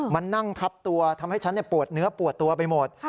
มันนั่งทับตัวทำให้ฉันปวดเนื้อปวดตัวไปหมด